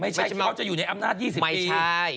ไม่ใช่คือเขาจะอยู่ในอำนาจ๒๐ปีไม่ใช่